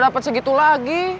bisa dapet segitu lagi